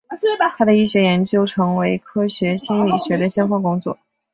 他的医学研究成为科学心理学的先锋工作。